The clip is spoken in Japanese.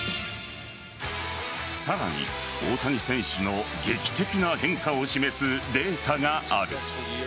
さらに大谷選手の劇的な変化を示すデータがある。